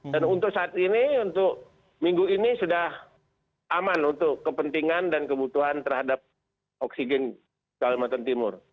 dan untuk saat ini untuk minggu ini sudah aman untuk kepentingan dan kebutuhan terhadap oksigen di kalimantan timur